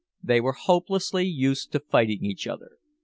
They were hopelessly used to fighting each other.